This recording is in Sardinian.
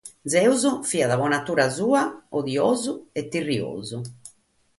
Zeus fiat pro natura sua odiosu e tirriosu.